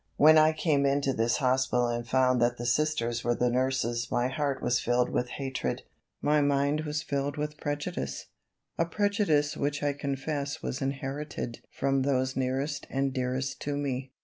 When I came into this hospital and found that the Sisters were the nurses my heart was filled with hatred. My mind was filled with prejudice a prejudice which I confess was inherited from those nearest and dearest to me.